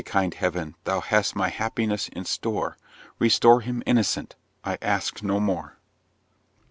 Kind Heav'n! thou hast my happiness in store, Restore him innocent I ask no more!